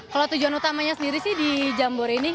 kalau tujuan utamanya sendiri sih di jambore ini